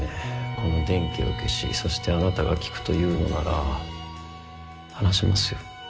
この電気を消しそしてあなたが聞くというのなら話しますよ。